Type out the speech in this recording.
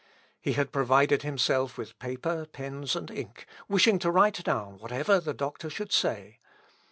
He had provided himself with paper, pens, and ink, wishing to write down whatever the doctor should say.